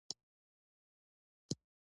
دا په نولس سوه اویاووه کال کې و.